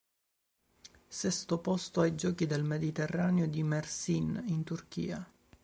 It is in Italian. Sesto posto ai Giochi del Mediterraneo di Mersin in Turchia.